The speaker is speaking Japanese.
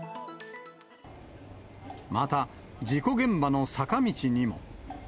また、事故現場の坂道にも。